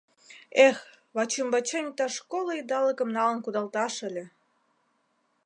Эх, вачӱмбачем иктаж коло идалыкым налын кудалташ ыле!